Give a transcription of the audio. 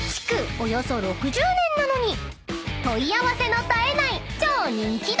およそ６０年なのに問い合わせの絶えない超人気団地⁉］